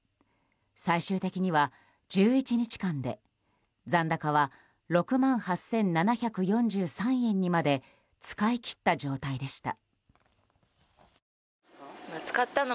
最終的には１１日間で残高は６万８７４３円にまで使い切った状態でした。